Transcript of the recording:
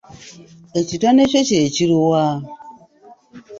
Ekitone kyo kye kiruwa?